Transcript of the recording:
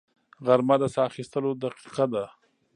غرمه د ساه اخیستو دقیقه ده